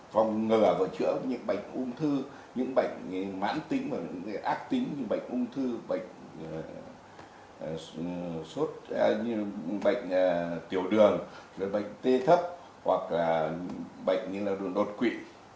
phòng ngừa và chữa những bệnh ung thư những bệnh mãn tính và ác tính như bệnh ung thư bệnh tiểu đường bệnh tê thấp hoặc là bệnh như là đột quỵ